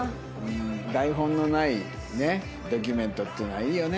台本のないドキュメントっていうのはいいよね。